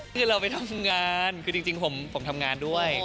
คือเราไปทำงานคือจริงผมทำงานด้วย